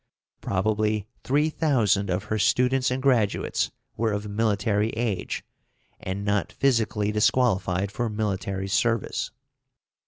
Probably 3000 of her students and graduates were of military age, and not physically disqualified for military service.